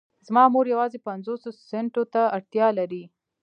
زما مور يوازې پنځوسو سنټو ته اړتيا لري.